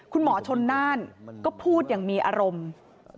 คุณหมอชนน่านก็พูดอย่างมีอารมณ์